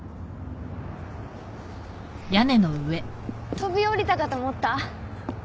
飛び降りたかと思った？